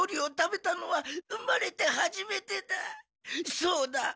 そうだ！